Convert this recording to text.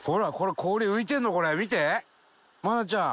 見て愛菜ちゃん。